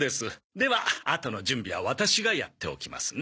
ではあとの準備はワタシがやっておきますね。